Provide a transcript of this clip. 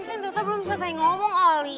eh tata belum selesai ngomong olin